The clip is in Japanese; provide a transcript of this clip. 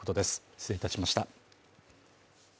失礼いたしました。